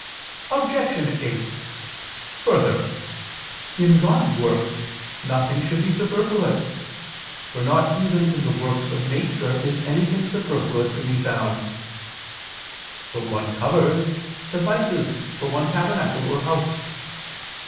Obj. 8: Further, in God's works nothing should be superfluous; for not even in the works of nature is anything superfluous to be found. But one cover suffices for one tabernacle or house.